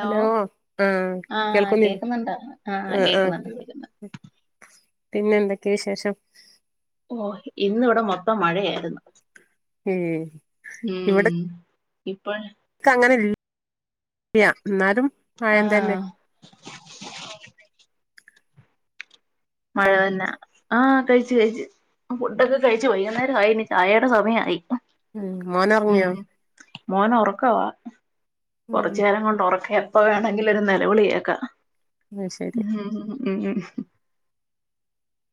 Hello ആഹ് ആഹ് കേൾക്കുന്നില്ലെ കേക്കുന്നുണ്ടോ ആഹ് ആഹ് കേക്കുന്നുണ്ട് കേക്കുന്നുണ്ട് പിന്നെ എന്തൊക്കെ വിശേഷം ഓ ഇന്ന് ഇവിടെ മൊത്തം മഴയായിരുന്ന് ഉം ഉം ഇപ്പം ക്ക് അങ്ങനെ ചെയ്യാം എന്നാലും- മഴം തന്നെ ആഹ് മഴ ട്ടോ തന്നയാ ആഹ് കഴിച്ചു കഴിച്ചു ഫുഡൊക്കെ കഴിച്ചു വൈകുന്നേരം ആയി ഇനി ചായയുടെ സമയായി ഉം മോന് ഉം ഒറങ്ങിയോ മോന് ഒറക്കവാ ഉം കൊറച്ചു നേരം കൊണ്ട് ഒറക്കെയാണ് എപ്പോ വേണമെങ്കിലും ഒരു നെലവിളി കേക്കാം അത് ശരി മ് മ് മ് മ് മ് മ്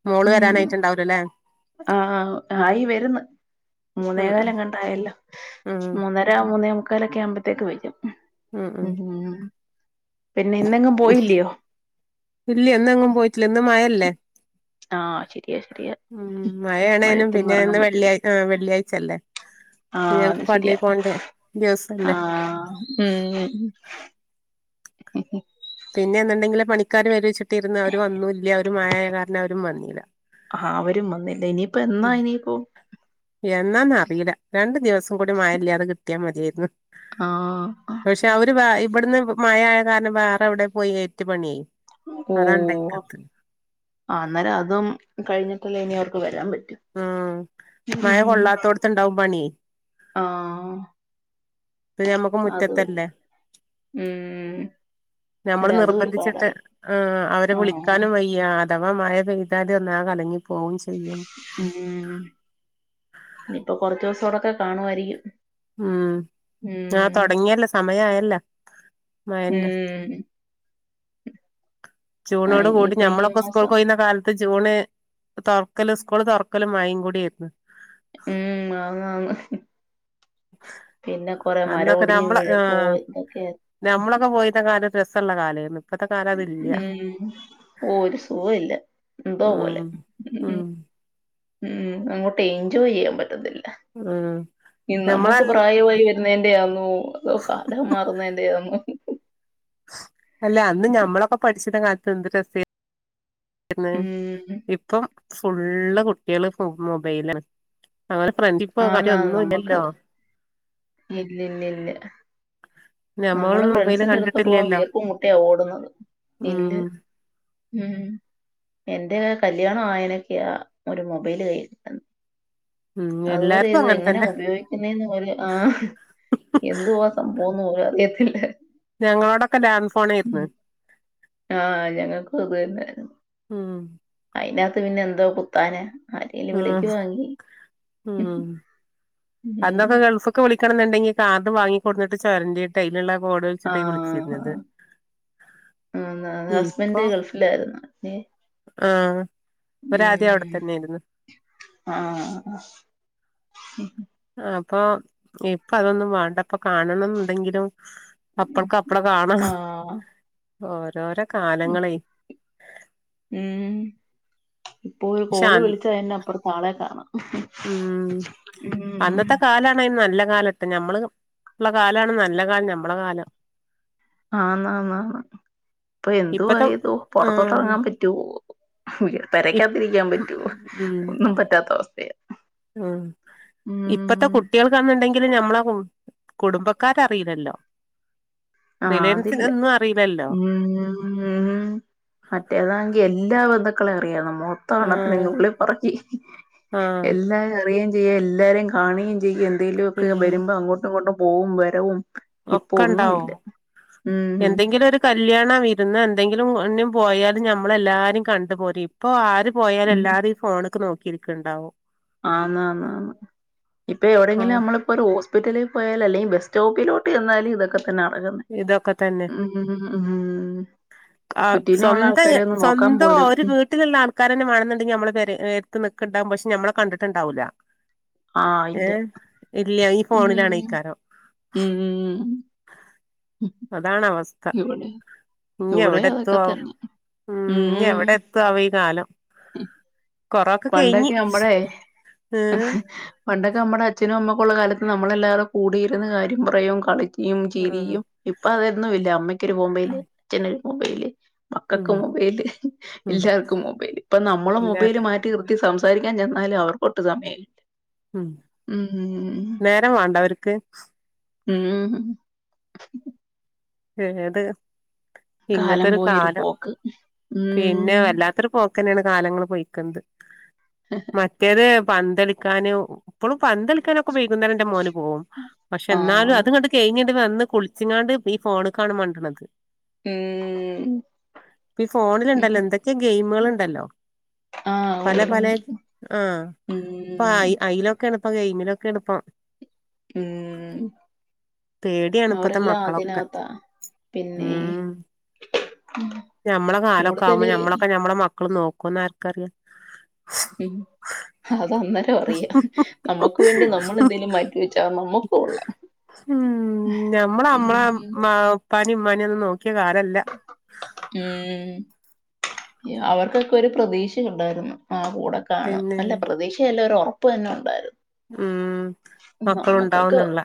മോള് ഉം വരാനായിട്ട് ഇണ്ടാവും അല്ലേ ആഹ് ആഹ് ആയി വരുന്ന് ഉം മൂന്നേകാല് ഉം എങ്ങാണ്ട് ആയല്ലോ ഉം മൂന്നേ അര മൂന്നേ മുക്കാലൊക്കെ ആവുമ്പോഴത്തേക്ക് വരും ഉം ഉം ഉം പിന്നെ ഇന്ന് എങ്ങും പോയില്ലിയോ ഇല്ലിയ ഇന്ന് എങ്ങും പോയിട്ടില്ല ഇന്ന് മഴ അല്ലേ ആഹ് ശരിയാ ശരിയാ ഉം മഴയാണേനും മഴയത്തെങ്ങും പിന്നെ എറങ്ങാൻ ഇന്ന് പറ്റില്ല വെള്ളിയായി വെള്ളിയാഴ്ച്ചല്ലേ ആഹ് അത് ശരിയാ ദിവസല്ലേ ആഹ് ഉം ഉഹ് ഉം പിന്നെ എന്നുണ്ടെങ്കില് പണിക്കാര് വെരുച്ചിട്ടിരുന്ന് അവർ വന്നുല്ല അവര് മഴ ആയ കാരണം അവരും വന്നീല്ല ആഹ് അവരും വന്നില്ല ഇനിയിപ്പോ എന്നാ ഇനിപ്പോ എന്നാന്ന് അറിയില്ല രണ്ടു ദിവസം കൂടി മഴയില്ലാതെ കിട്ടിയാ മതിയായിരുന്നു ആഹ് പക്ഷെ അവര് വ ഇവിടുന്ന് മഴയായ കാരണം വേറെ എവിടെ പോയി ഏറ്റു പണിയെ ഉം ആഹ് അന്നേരം അതും കഴിഞ്ഞിട്ടല്ലേ ഇനി അവർക്ക് വരാൻ പറ്റൂ ഉം മഴ കൊള്ളാത്തോടത്ത് ഇണ്ടാവും പണിയെ ആഹ് ഇപ്പൊ നമ്മുക്ക് അത് വരും മുറ്റത്തല്ലേ ഉം നമ്മള് അന്നേരം അതും ഒരു നിർബന്ധിച്ചിട്ട് പാടായി ആഹ് അവര് ആഹ് വിളിക്കാനും വയ് യാ അഥവാ മഴ പെയ്താല് ഒന്നാക കലങ്ങി പോകും ചെയ്യും ഉം ഇനിയിപ്പൊ കൊറച്ച് ദിവസോടൊക്കെ കാണുവായിരിക്കും ആഹ് ഉം തുടങ്ങിയല്ലേ സമയം ആയല്ലോ ഉം ആഹ് ജൂണോട് കൂടി ഇനിയിപ്പ ഈ ഞമ്മളൊക്കെ മാസം സ്കൂൾക്ക് പോയിരുന്ന കാല് പ്പ് ജൂണ് തൊർക്കല് സ്കൂള് തൊർക്കല് മഴയും കൂടിയായിരുന്നു ഉം ആന്ന് ആന്ന് പിന്നെ കൊറെ മരം ഒടിഞ്ഞ് വീഴും ക്കോ അതൊക്കെയായി ഞമ്മളൊക്കെ പോയിരുന്ന കാലം രസള്ള കാലയേന്ന് ഉം ഓര് ഒരു സുഖ ഇല്ല എന്തോ പോലെ ഉം ഉം ഉം അങ്ങോട്ട് എൻജോയ് ചെയ്യാൻ പറ്റുന്നില്ല ഉം ഇൻ നമ്മള നമ്മുക്ക് പ്രായമായി രുന്നതിൻ്റെ ആന്നോ കാലം മാറുന്നതിന്റെ ആന്നോ അല്ല അന്ന് ഞമ്മളൊക്കെ പഠിച്ചിനെ കാലത്ത് എന്ത് രസ ന്ന്. ഉം ഇപ്പം ഫുള്ള് കുട്ടികള് ഇപ്പം മൊബൈലാ അങ്ങനെ ഫ്രണ്ടിപ്പോ കാര്യം ആന്നാ നമുക്ക് ഒന്നുമില്ലല്ലോ ഇല്ല ഇല്ല ഇല്ല നമ്മള് ഞമ്മളൊന്നും മൊബൈല് ഫ്രണ്ട്സിന്റെ അടുത്തോട്ട് പോകൻ കണ്ടിട്ടില്ലല്ലോ വീർപ്പു മുട്ടിയാ ഓടുന്നത് ഉം ഇല്ല് ഉം എന്റെക്കെ കല്യാണം ആയനൊക്ക്യാ ഒരു മൊബൈല് കയ്യികി ഉം അതുവരെ എല്ലാർക്കും ഇത് അങ്ങനെ എങ്ങനാ തന്നെ ഉപയോഗിക്കുന്നേ പോലെ ആഹ് എന്തുവാ സംഭവെന്നും പോലും അറിയത്തില്ല ഞങ്ങളോടൊക്കെ ലാന്റ് ഫോണോയിരുന്ന് ആഹ് ഞങ്ങക്കും അതുതന്നെണ് ഉം അയിനകത്ത് പിന്നെ എന്തോ കുത്താന ആഹ് ഉം ഉം. അന്നൊക്കെ ഗൾഫ് ഫ്ക്ക് വിളിക്കണന്നുണ്ടങ്കില് കാർഡ് വാങ്ങികൊണ്ടന്ന്ട്ട് ചൊരണ്ടീട്ട് അയില് ല്ലെ ബോട് വെച്ചിട്ടേ ആഹ് വിളിച്ചിരുന്നത് ഇപ്പൊ ഇല്ലാര്ന്നു നി ആഹ് ഇവരാദ്യം അവിടെ ഉം തന്നെയായിരുന്നു ആഹ് അപ്പോ ഇപ്പോ അതൊന്നും വാണ്ട ഇപ്പം കാണണന്നുണ്ടങ്കിലും അപ്പൾക്ക് അപ്പള കാണാം. ആഹ് ഓരോരോ കാലങ്ങളെ ഉം ഇപ്പോ ഒരു പക്ഷെ കോള് വിളിച്ച് കഴിഞ്ഞാ അപ്പർത്ത് ആളെ കാണാം ഉം ഉം അന്നത്തെ കാലാണ് നല്ല കാലട്ടെ ഞമ്മള് ള്ള കാലാണ് നല്ല കാലം ഞമ്മള കാലം ആന്ന് ആന്ന് ആന്ന്. ഇപ്പ എന്തോ ഇപ്പത്തെ ഏതോ പൊറത്തോട്ട് ആഹ് എറങ്ങാൻ പറ്റുവോ ഇപ് പെരകക്കത്തിരിക്കാൻ പറ്റോ ഉം ഒന്നും പറ്റാത്ത അവസ്ഥയ ഉം ഇപ്പത്ത കുട്ട്യോള് കാന്ന്ണ്ടങ്കിലും ഞമ്മളെ കു കുടുംബക്കാരറീലല്ലോ ആഹ് അതില്ല. റിലേൻസിനൊന്നും അറീലല്ലോ ഉം മറ്റേതാങ്കില് എല്ലാ ബന്ധുക്കളെ അറിയാം നമോ ത് ഓണത്തിന്‌ ആഹ് നുള്ളി പെർക്കി ആഹ് എല്ലാരും അറിയേ ചെയ്യ എല്ലാരെയും കാണേ ചെയ്യ എന്തേലെക്കെ ചെയ്യും വരുമ്പോ അങ്ങോട്ടും ഇങ്ങോട്ടും പോവും വരവും ഇപ്പൊ ഒക്കെണ്ടാവും ഒന്നുമില്ല ഉം എന്തെങ്കിലൊരു കല്യാണ വിരുന്ന എന്തെങ്കിലും [unintelligible] പോയാലും നമ്മളെല്ലാരും കണ്ടുപോരി ഇ ഇപ്പോ ആര് പോയാലും ഉം എല്ലാരും ഈ ഫോണ്ക്ക് നോക്കിയിരിക്ക്ണ്ടാവും ആന്ന് ആന്ന് ആന്ന് ഇപ്പ എവിടെങ്കിലും ആഹ് നമ്മള് ഇപ്പരു ഹോസ്പിറ്റലിൽ പോയാല് അല്ലെങ്കിൽ ബസ്റ്റോപ്പിലോട്ട് ചെന്നാല് ഇതെക്കെതന്നെ പിന്നെ നടക്ക്‌ന്നെ ഇതൊക്കെ തന്നെ ഉം ഉം ഉം ആഹ് ചുറ്റിനുമുള്ള സ്വന്ത് ആൾക്കാരെ ഒന്ന് നോക്കാൻ സ്വന്തം പോലും ഒരു വീട്ട് ഉം വീട്ട്ലുള്ള ആൾക്കാരന്നെ മാണന്ന്ണ്ടങ്കില് നമ്മളെ പെര എട്ത്ത് നിക്ക്ണ്ടാകും പക്ഷെ ഞമ്മളെ കണ്ടിട്ടുണ്ടാവുല ആഹ് ഇല്ല ഏഹ് ഇല്ല ഈ ഫോണിലാണേയ്ക്കാരം ഉം ഉം ഉം അതാണ് അവസ്ഥ ഇവിടെ ഇനി ഇവിടെ അതൊക്കെ എവടെത്തോവം തന്നെ ഉം ഇഞ്ഞ് എവടെത്തോവം ഈ കാലം കൊറോക്കെ കഴിഞ്ഞ് പണ്ടൊക്കെ ഞമ്മളെ ഏഹ് പണ്ടൊക്കെ നമ്മടെ അച്ഛനും അമ്മക്കൊള്ള കാലത്ത് നമ്മളല്ലാവരും കൂടിയിരുന്ന് കാര്യം പറയും കളിക്കും ളിയും ആഹ് ചിരിയും ഇപ്പൊ അതൊന്നും ഇല്ല അമ്മയ്ക്കൊരു മെബൈല് ഉം അച്ഛനൊരു മൊബൈല് മക്കക്ക് ഉം മൊബൈല് ഉം. എല്ലാർക്കും മൊബൈല് ഇപ്പൊ നമ്മള് മൊബൈല് എല്ലാരും മാറ്റ് നിർത്തി സംസാരിക്കാൻ ചെന്നാലും അവർക്കൊട്ട് സമയുംല്ല ഉം നേരം വാണ്ടെ അവർക്ക് ഉം ഏത് കാലം ഇങ്ങത്തെരു പോയൊരു കാലം പോക്ക് പിന്നെ ഉം വല്ലാത്തൊരു പോ ക്കന്നെണ് കാലങ്ങള് പൊയ്ക്ക്ണത് [unintelligible] മറ്റേത് പന്തളിക്കാനും ഇപ്പളും പന്തളിക്കാനൊക്കെ വൈകുന്നോരം ഇന്റെ മോനും പോവും പക്ഷെ എന്നാലും ആഹ് അത്ങ്ങ്ണ്ട് കഴിഞ്ഞിട്ട് വന്ന് കുളിച്ചിങ്ങാണ്ട് ഈ ഫോണ്ക്കാണ് മണ്ടണത് ഉം ഇപ്പൊ ഫോണിൽ ഇണ്ടല്ലോ എന്തൊക്കെ ഗെയിമുകൾ ഉണ്ടല്ലോ ആഹ ഉണ്ട് ഉണ്ട് ആഹ് ഉം ഇപ്പ അയിലൊക്കെണ് ഇപ്പൊ ഗെയിമിലൊക്കെണ്‌ ഇപ്പം ഉം പേട്യാണ് ഇപ്പത്തെ അവരെല്ലാം മക്കളൊ അതിനകത്താ പിന്നെ ഉം ഞമ്മളെ കാലൊക്കെ ആകുമ്പോ കൂടുതല് ഞമ്മളൊക്കെ ഞാ ഞമ്മളെ മക്കള് നോക്കോന്ന് ആർക്കറിയാ അത് അന്നേരം അറിയാം നമ്മുക്ക് വേണ്ടി നമ്മളെന്തേലും മാറ്റിവെച്ചാൽ നമ്മുക്കു കൊള്ളാം ഉം ഞമ്മള് നമ്മളെ ഉം മ ഉപ്പാനിം ഉമ്മാനിം ഒന്നും നോക്കിയ കാലല്ല ഉം അവർക്കൊക്കെ ഒരു പ്രതീക്ഷ ഉണ്ടായിരുന്നു ആ കൂടെക്ക കാണും പിന്നെ അല്ല പ്രതീക്ഷയല്ല ഒരു ഉറപ്പ് തന്നെ ഉണ്ടായിരുന്നു ഉം നമ്മക്കൊക്കെ മക്കളുണ്ടാവുന്നുംള്ള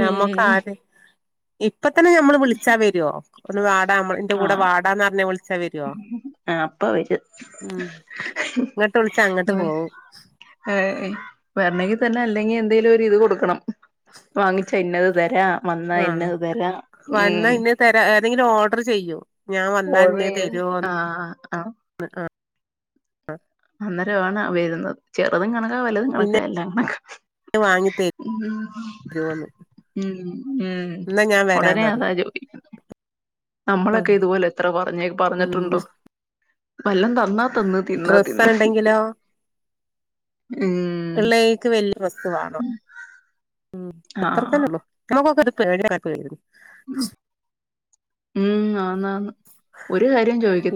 ഞമ്മക്ക്‌ ആര് ഇപ്പ തന്നെ ഞമ്മള് വിളിച്ചാ വരോ ഒന്ന് വാട നമ്മ ഇന്റെ ആ കൂടെ വാടാന്ന് പറഞ്ഞ വി ചാ വരോ അപ്പൊ വരും ഉം ഇങ്ങട്ട് വിളിച്ചാ അങ്ങട്ട് പോവും ഏയ് വരണെങ്കിൽ തന്നെ അല്ലെങ്കിൽ എന്തേലും ഒരു ഇത് കൊടുക്കണം വാങ്ങിച്ചാ ഇന്നത് തരാം വന്നാ ആഹ് ഇന്നത് തരാം വന്നാ ഉം ഇന്നെ തരാ ഏതെങ്കിലും ഓർഡർ ചെയ്യും ഞാൻ വന്നൽ ഓർഡർ ഇന്നത് ചെയ്ത് ആ തരോന്ന് ആ ആഹ് അന്നേരമാണ് വരുന്നത് ചെറുതും കണക്കാ വലുതും ഇന്നെ കണക്കാ എല്ലാം കണക്കാ വാങ്ങി ഉം തരോന്ന് ഉം ഉം എന്നാ ഞാൻ ഒടനെ വരാന്ന് പറയും അതാ ചോദിക്കുന്നെ നമ്മളൊക്കെ ഇതുപോലെ എത്ര പറഞ്ഞേ ഉം പറഞ്ഞിട്ടുണ്ടോ വല്ലം തന്നാ തിന്ന് തിന്നാ ഡ്രസ്സ് തിന്ന് ഉണ്ടെങ്കിലോ ഉം ഇള്ളേക്ക് വെല്യ ഡ്രസ്സ്‌ വേണം ഉം ആഹ് അത്രതന്നെ ഒള്ളൂ [unintelligible] ഉം ആന്ന് ആന്ന്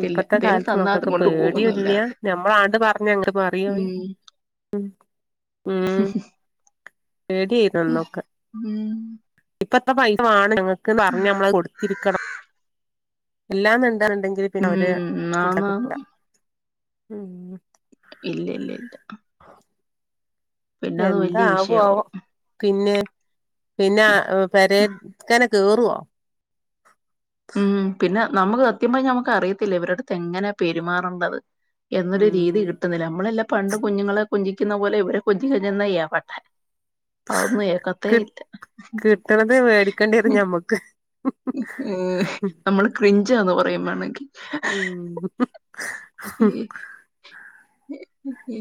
ഇപ്പത്തെ കാലത്ത് തന്നാ മക്കക്കു അതും കൊണ്ട് പേടിയും ഇല്ല്യ പോകുന്നല്ലാതെ ഞമ്മളാണ്ട് പറഞ്ഞ ഇങ്ങണ്ട് പറയും ഓര് ഉം ഉം ഉം പേട്യേന്ന് അന്നൊക്കെ ഉം ഇപ്പ എത്ര പൈസ വാണ് [unintelligible] ന്ന് പറഞ്ഞ നമ്മള് അത്‌ കൊടുത്തിരിക്കണം അല്ലാന്ന് എന്തേലും ഇണ്ടെങ്കിൽ പിന്നെ അവരെ ഉം പുടിച്ചാ ആന്നാന്ന് കിട്ടൂല ഇല്ല ഇല്ല ഇല്ല പിന്നെ അത് എന്താ വല്യ ആകു ആവോ വിഷയമാവും പിന്നെ പിന്നെ പരക്കനെ കേറുവോ ഉം പിന്നെ നമ്മുക്ക് സത്യം പറഞ്ഞ ഞമ്മക്ക് അറിയത്തില്ല ഇവടെ അടുത്ത് എങ്ങനാ പെരുമാറേണ്ടത് എന്നൊരു രീതി ഉം കിട്ടുന്നില്ല നമ്മളെല്ലാം പണ്ട് കുഞ്ഞുങ്ങളെ കുഞ്ചിക്കുന്ന പോലെ ഇവരെ കൊഞ്ചിക്കച്ചെന്ന യവടെ അന്നും ഏക്കത്ത കി ഇല്ല കിട്ടണത് മേടിക്കേണ്ടി [inaudible] നമ്മള് ക്രിഞ്ച എന്ന് പറയുമ്മ് വേണെങ്കിൽ ഉം [inaudible] ഈ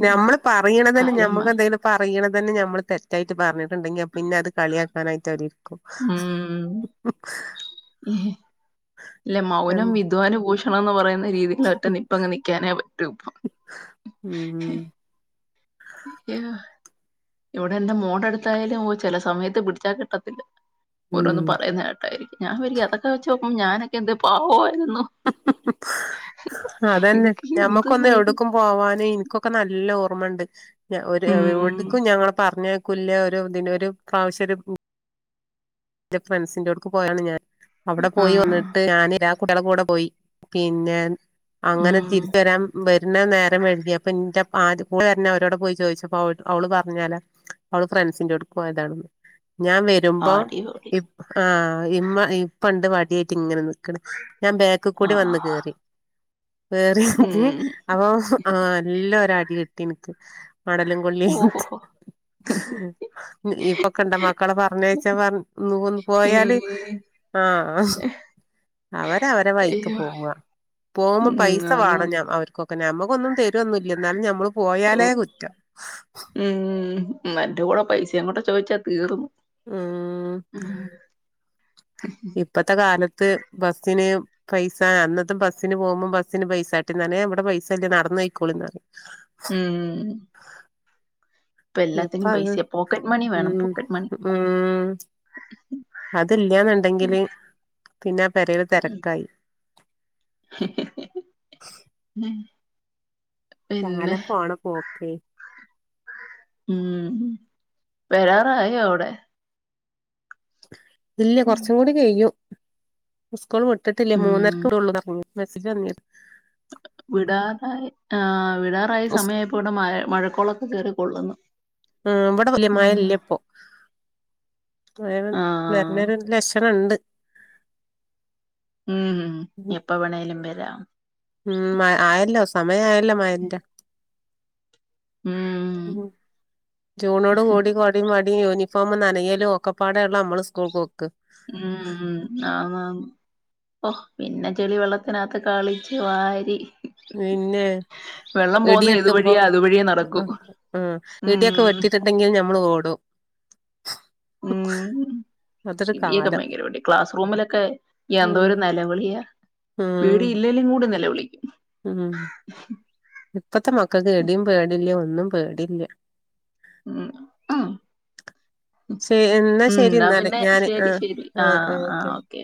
നമ്മള് പറയണ തന്നെ ഞമ്മക്ക് കാലന്മാര് എന്തെിലും പറയണ തന്നെ ഞമ്മള് തെറ്റായി പറഞ്ഞിട്ടുണ്ടെങ്കി പിന്നെ അത് കളിയാക്കാനായിട്ട് അവര് ഇരിക്കും [inaudible] ഉം ഇല്ല മൗനം വിദ്വാന ഭൂഷണം എന്ന് പറയുന്നത് രീതിൽ ഒറ്റ നിപ്പ അങ് നിക്കാനേ പറ്റൂ ഇപ്പ ഉം അയ്യ ഇവിടെ എന്റെ മോടെ എടുത്തായാലും ഓ ചില സമയത്ത് പിടിച്ചാ കിട്ടത്തില്ല ഉം ഓരോന്നന്ന് പറയുന്ന കേട്ടായിരിക്കും ഞാൻ വിരാക്കും അതൊക്കെ വെച്ച് ഞാനൊക്കെ എന്ത് പാവമായിരുന്നു അതന്നെ ഇതൊക്കെ ഞമ്മക്കൊന്ന് എന്തുവാ ഇത് എവിടുക്കും പോവാന എനിക്കൊക്കെ നല്ല ഓർമണ്ട് ഞ ഒരു ഉം എവടുക്കും ഞങ്ങ പറഞ്ഞ കുല്ല് ഒരു ഇതിന ഒരു ആാവശ്യ ഒരു എന്റെ ഫ്രണ്ട്സിന്റെറെോടുക്കക്ക് പോയാണ് ഞാൻ അവിടെ പോയി ആഹ് വന്നിട്ട് ഞാൻ കുട്ടികള കൂടെ പോയി പിന്നെ അങ്ങനെ ഉം തിരിച്ച വരാൻ വരുന്ന നേരരെ മഴുതിയപ്പ ഇന്റെ ആദ്യ കൂടെ തന്ന അവരോടെ പോയി ചോദിച്ചപ്പ അവ അവള് പറഞ്ഞാല അവള് ഫ്രണ്ട്സിന്റെറെയോടെ പോയതാണെന്ന് ഞാൻ വരുമ്പോ അടിപൊളി ആഹ ഈ പണ്ട് പാടിയായിട്ട് ഇങ്ങനെ ഞാൻ ബേക്ക് കൂടി വന്ന് ആഹ് കേറി കേറി ഉം അപ്പൊ ആഹ എല്ലാം ഒ അടി കിട്ടി എനിക്ക് മടലും കൊള്ളിയും ഓഹോഹോ ഇപ്പൊക്കെണ്ട മക്കളെ പറഞ്ഞ വച്ചാ പറ ഒ ഒന്ന് പോയാല് ഏഹ് ആ അവര അവരെ വൈക്ക് അയ്യോ പോവ പോകുമ്പോ ഉം പൈസ ആന്ന് വേണം ഞ അവർക്കൊക്കെ നഞമ്മക്കൊന്നും തരൊന്നുമല്ല എന്നാലും നമ്മള് ഓഹ് പോയാലേ കുറ്റം ഉം എറെ കൂടെ പൈസയുംങ്ങോട്ട ചോദിച്ചാ തീർന്ന ആഹ [inaudible] ഇപ്പത്തെ കാലത്ത് ബസ്സിന് പൈസ അന്നത്തും ബസ്സിന് പോകുമ്പോം ബസ്സിന് പൈസട്ടിന്നനേ ഇവിടെ പൈസ ഇല്ലേ നടന്നു കഴക്കോളിന്ന് പറ ഉം ഉം ഇപ്പൊ ഇപ്പ എല്ലാത്തിനും അത് പൈസ പോക്കറ്റ് മണി ഉ വേണം പോക്കറ്റ് മണി ഉ അതില്ലന്നുണ്ടെങ്കില് പിന്നെ പരൽ തിരക്കായി ഉ ശാലം പോണ പോക്കെ ഉ വരാറായോ അവിടെ ഇല്ല കുറച്ചും കൂടി ചെയ്യും സ്കൂൾ വിട്ടത്തില്ലേ ഉം മൂന്നേരക്ക്ള്ളൂ പറഞ്ഞു വസിഞി വിടാറായി ആ് വിടാ പ്രായ ഉസ് സമയ ഇപ്പോ ഇവിടെ മഴ മഴക്കോളൊക്കെ ചയറി കൊള്ളുന്നു ഉം ഇവിടെ വല്യ ഉ വേ ആഹ് വരഞ്ഞൊരു ലക്ഷണംണ്ട് ഉം ഉം എപ്പ വേണേലും വരാ ഉം മ ആയല്ലോ സമയയല്ലോ മയന്റെ ഉം ജൂണോട് കൂടി കൊ ടിം വടിം യൂിഫോമു നനയലും ഒക്കപ്പാടെേ ഉള്ള നമ്മള് സ്കൂൾപോക്ക് ഉം ആഹ് ഓ പിന്നെ ചെളി വെള്ളത്തിനകത്ത് കളിച്ച് വാരി പിന്നെ വെള്ളം ഇടി പോകുന്ന വെട്ടുമ്പോ ഏതുവഴിയാ അതുവഴിയേ നടക്കൂ ആ ഇടിയൊക്കെ ഉം വെട്ട [unintelligible] ണ്ടെങ്കിൽ നമ്മൾ ഓടും ഉം അതൊരു ഇടിയൊക്കെ കാലം ഭയങ്കര പേടിയാ, ക്ലാസ്സ് റൂമിലൊക്കെ, ഉം എന്തോരു നിലവിളിയാ പേടി ഉം ഇല്ലെലും കൂടി നില വിളിക്കും ഉം ഇപ്പത്തെ മക്കൾക്ക് ഇടിയും പേടില്ല ഒന്നും പേടില്ല. മ് മ് ശ എന്നാ ഉം, ശരി ന്ന എന്നാല് പിന്നെ ഞാന് ശരി, ആഹ് ശരി ആഹ് ആഹ് ഓക്കെ